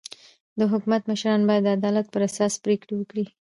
د حکومت مشران باید د عدالت پر اساس پرېکړي وکي.